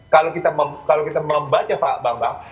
kalau kita membaca pak bambang